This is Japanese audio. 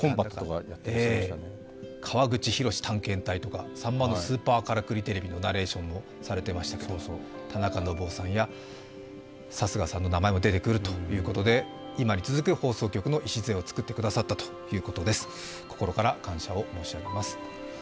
「川口浩探検隊」とか「さんまのＳＵＰＥＲからくりＴＶ」のナレーションをされてましたけど、田中信夫さんや貴家さんの名前も出てくるということで、今に続く放送局の礎をつくってくださったということで心から感謝を申し上げます。